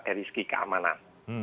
dari segi keamanan